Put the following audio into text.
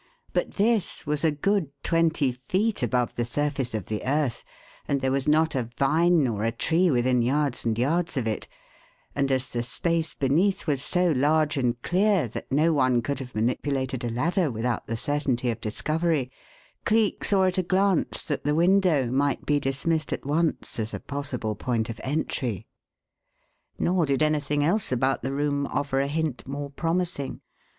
But this was a good twenty feet above the surface of the earth and there was not a vine nor a tree within yards and yards of it, and as the space beneath was so large and clear that no one could have manipulated a ladder without the certainty of discovery, Cleek saw at a glance that the window might be dismissed at once as a possible point of entry. Nor did anything else about the room offer a hint more promising.